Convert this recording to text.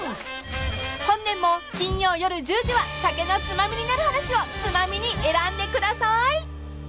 ［本年も金曜夜１０時は『酒のツマミになる話』をツマミに選んでください］